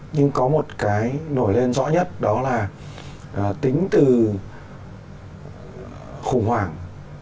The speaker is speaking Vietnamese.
nhưng có một cái nổi lên rõ nhất đó là tính từ khủng hoảng